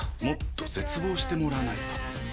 もっと絶望してもらわないと。